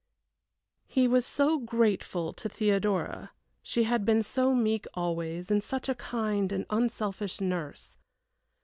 He was also grateful to Theodora she had been so meek always, and such a kind and unselfish nurse.